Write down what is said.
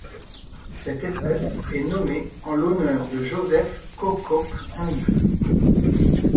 Cette espèce est nommée en l'honneur de Joseph Koh Kok Hong.